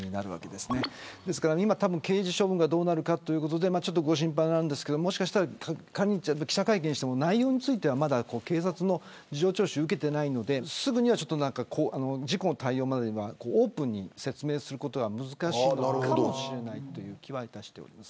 ですから今、刑事処分がどうなるかということでご心配なんですが仮に記者会見をしても内容については、まだ警察の事情聴取を受けていないのですぐには事故の対応まではオープンに説明することは難しいのかもしれないという気はします。